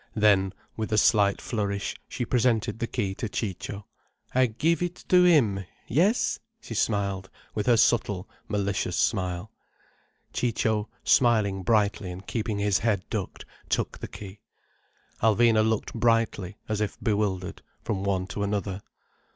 Then, with a slight flourish, she presented the key to Ciccio. "I give it to him? Yes?" she added, with her subtle, malicious smile. Ciccio, smiling slightly, and keeping his head ducked, took the key. Alvina looked brightly, as if bewildered, from one to another.